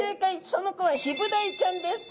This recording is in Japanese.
その子はヒブダイちゃん？